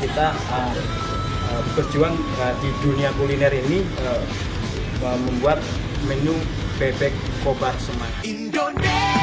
kita berjuang di dunia kuliner ini membuat menu bebek kobar semangat indonesia